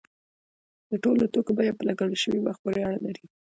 د ټولو توکو بیه په لګول شوي وخت پورې اړه لري.